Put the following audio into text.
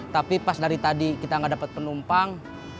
tapi pas dari tadi kita gak dapet penumpang